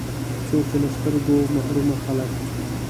ځکه چي له سترګو محرومه خلګ